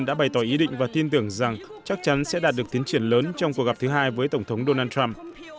đã bày tỏ ý định và tin tưởng rằng chắc chắn sẽ đạt được tiến triển lớn trong cuộc gặp thứ hai với tổng thống donald trump